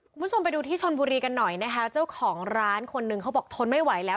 คุณผู้ชมไปดูที่ชนบุรีกันหน่อยนะคะเจ้าของร้านคนหนึ่งเขาบอกทนไม่ไหวแล้ว